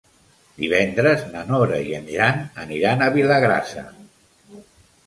Divendres na Nora i en Jan aniran a Vilagrassa.